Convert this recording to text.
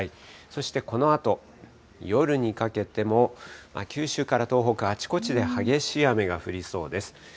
そしてこのあと夜にかけても、九州から東北、あちこちで激しい雨が降りそうです。